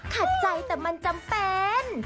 ขัดใจแต่มันจำเป็น